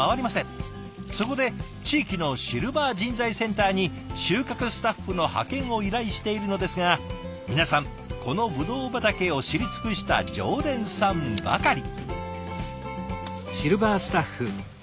そこで地域のシルバー人材センターに収穫スタッフの派遣を依頼しているのですが皆さんこのブドウ畑を知り尽くした常連さんばかり。